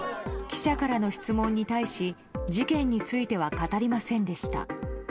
記者からの質問に対し事件については語りませんでした。